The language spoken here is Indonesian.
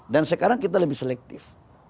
dan sekarang kita lebih selektif